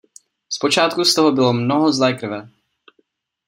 Z počátku z toho bylo mnoho zlé krve.